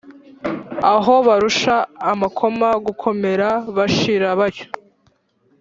aho barusha amakoma gukomera bashira batyo!